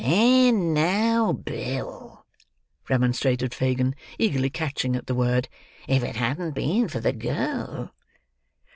"There now, Bill," remonstrated Fagin, eagerly catching at the word. "If it hadn't been for the girl!